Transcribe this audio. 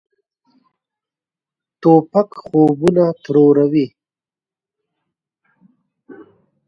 توپک خوبونه تروروي.